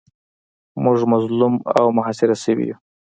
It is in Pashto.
موږ مظلوم او محاصره شوي یو.